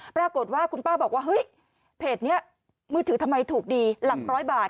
ปรากฏว่าคุณป้าบอกว่าเฮ้ยเพจนี้มือถือทำไมถูกดีหลักร้อยบาท